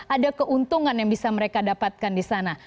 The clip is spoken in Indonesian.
ada keuntungan yang bisa mereka dapatkan di sana